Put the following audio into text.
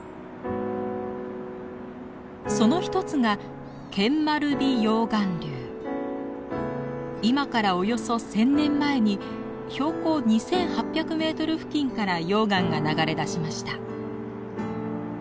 その一つが今からおよそ１，０００年前に標高２，８００メートル付近から溶岩が流れ出しました。